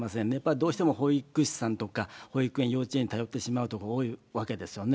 どうしても保育士さんとか、保育園、幼稚園に頼ってしまうことが多いわけですよね。